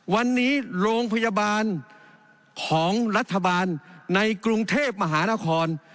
วันนี้โรงพยาบาลของรัฐบาลในกรุงเทพมหานคร